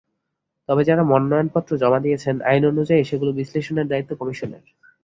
তবে যাঁরা মনোনয়নপত্র জমা দিয়েছেন, আইন অনুযায়ী সেগুলো বিশ্লেষণের দায়িত্ব কমিশনের।